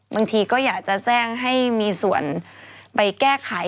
บางทีก็อยากจะแจ้งให้มีส่วนไปแก้ไข